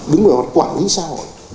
đứng đó quản lý xã hội